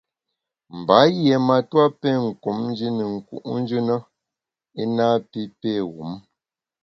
Mba yié matua pé kum Nji ne nku’njù na i napi pé wum.